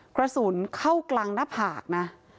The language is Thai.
กระสุนเข้ากลางหน้าผากนะ